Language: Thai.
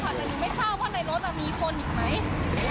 เขาบอกว่าก็เราก็ต้องดูแลตัวเองไปก่อนนะคะตรงนี้